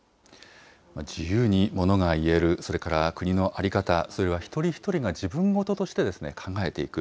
自由にものが言える、それから国の在り方、それは一人一人が自分事として考えていく。